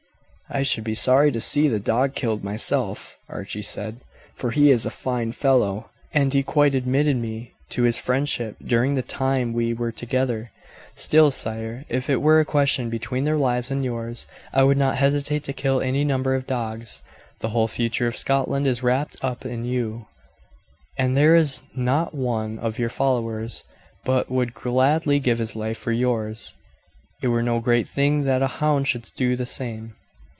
"I should be sorry to see the dog killed myself," Archie said, "for he is a fine fellow, and he quite admitted me to his friendship during the time we were together. Still, sire, if it were a question between their lives and yours, I would not hesitate to kill any number of dogs. The whole future of Scotland is wrapped up in you; and as there is not one of your followers but would gladly give his life for yours, it were no great thing that a hound should do the same."